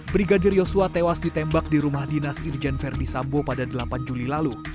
brigadir yosua tewas ditembak di rumah dinas irjen verdi sambo pada delapan juli lalu